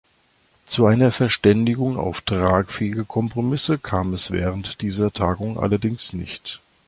Zu einer Verständigung auf tragfähige Kompromisse kam es während dieser Tagung allerdings nicht.